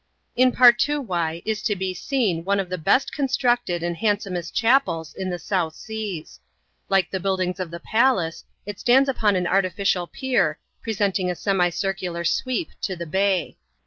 In Partoowye is to be seen one of the best eonstrncted and handsomest chapels in the South Seas. Like the buildiiigs of the palace, it stands upon an artificial pier, presenting a fiemi circuhur sweep to the bay.